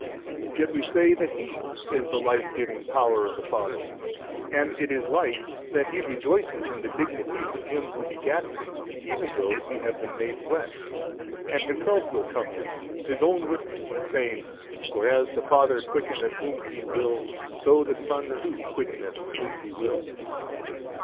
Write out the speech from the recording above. A. Yet we say that He is the life giving Power of the Father and it is like that He rejoices in the Dignities of Him Who begat Him even though He have been made flesh. And Himself will come in, His own witness, saying, For as the Father quickeneth whom He will, so the Son too quickeneth whom He will.